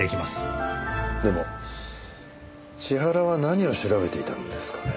でも千原は何を調べていたんですかね？